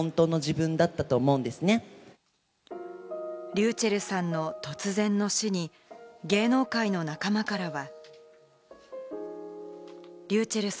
ｒｙｕｃｈｅｌｌさんの突然の死に、芸能界の仲間からは。